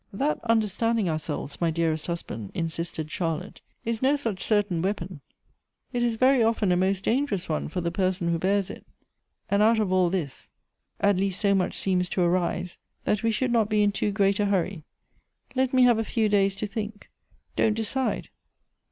" That understanding ourselves, my dearest husband," insisted Charlotte, "is no such certain weapon. It is very often a most dangerous one for the person who bears it. And out of all this, at least so much seems to arise, that we should not be in too great a hurry. Let me have a few days to think ; don't decide."